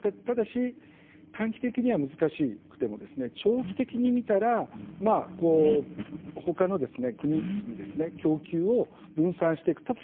ただし短期的には難しくても長期的に見たらほかの国に供給を分散していく。